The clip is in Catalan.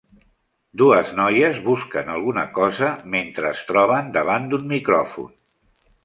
Dues noies busquen alguna cosa mentre es troben davant d'un micròfon.